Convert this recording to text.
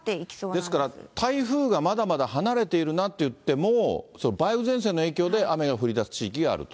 ですから台風がまだまだ離れているなっていっても、梅雨前線の影響で雨が降りだす地域があると。